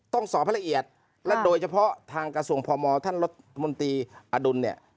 ต้องสอบให้ละเอียดและโดยเฉพาะทางกระทรวงพมท่านรัฐมนตรีอดุลเนี่ย